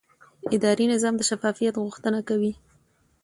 اداري نظام د شفافیت غوښتنه کوي.